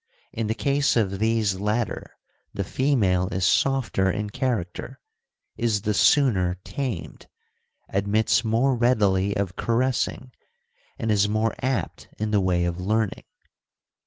In the case of these latter the female is softer in character, is the sooner tamed, admits more readily of caressing, and is more apt in the way of learning.